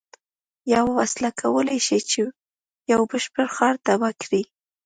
یوه وسله کولای شي یو بشپړ ښار تباه کړي